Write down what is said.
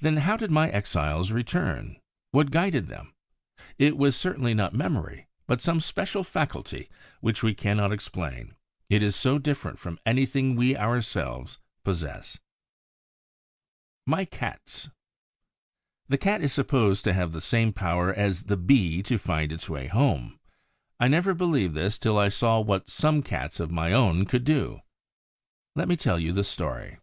Then how did my exiles return? What guided them? It was certainly not memory, but some special faculty which we cannot explain, it is so different from anything we ourselves possess. MY CATS The Cat is supposed to have the same power as the Bee to find its way home. I never believed this till I saw what some Cats of my own could do. Let me tell you the story.